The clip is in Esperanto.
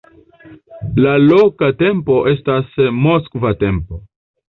La loka tempo estas moskva tempo.